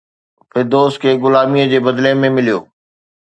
فردوس کي غلاميءَ جي بدلي ۾ مليو